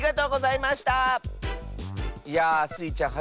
いやあスイちゃん